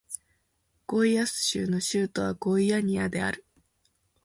ゴイアス州の州都はゴイアニアである